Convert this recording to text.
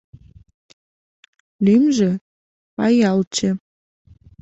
— Лӱмжӧ — Паялче.